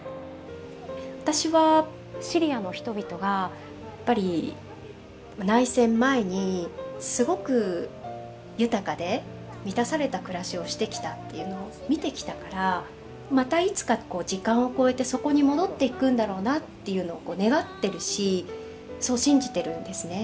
私はシリアの人々がやっぱり内戦前にすごく豊かで満たされた暮らしをしてきたっていうのを見てきたからまたいつか時間を超えてそこに戻っていくんだろうなっていうのを願ってるしそう信じてるんですね。